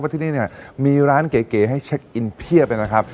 ว่าที่นี่มีร้านเก๋ให้เช็คอินเพียบไปนะครับ